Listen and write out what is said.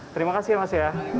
terima kasih mas